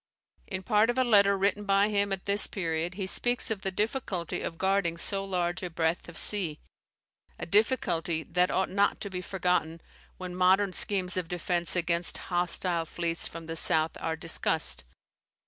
In part of a letter written by him at this period, he speaks of the difficulty of guarding so large a breadth of sea a difficulty that ought not to be forgotten when modern schemes of defence against hostile fleets from the south are discussed.